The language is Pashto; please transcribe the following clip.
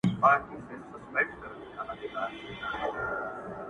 گرانه شاعره لږ څه يخ دى كنه;